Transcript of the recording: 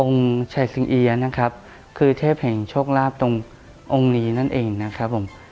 องค์ไทยสุอิยนะครับคือเทพแห่งโชคราบตรงองค์นี้นั่นเองนะครับผม